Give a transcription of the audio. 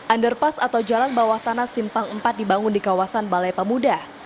underpass atau jalan bawah tanah simpang empat dibangun di kawasan balai pemuda